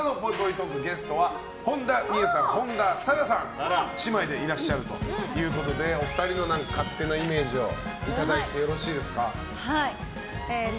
トークゲストは本田望結さん、本田紗来さんが姉妹でいらっしゃるということでお二人の勝手なイメージをいただいてよろしいですか。